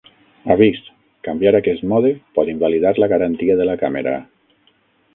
Avís: canviar a aquest mode pot invalidar la garantia de la càmera.